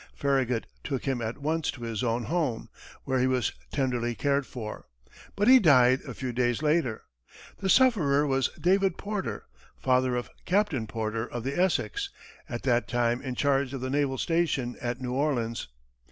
Farragut took him at once to his own home, where he was tenderly cared for, but he died a few days later. The sufferer was David Porter, father of Captain Porter of the Essex, at that time in charge of the naval station at New Orleans.